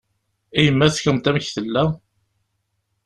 I yemma-tkent amek i tella?